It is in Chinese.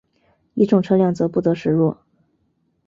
乙种车辆则不得驶入。